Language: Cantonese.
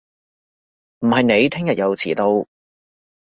唔係你聽日又遲到